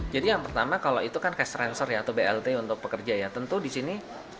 jadi yang pertama kalau itu kan cash transfer ya atau blt untuk pekerja ya tentu di sini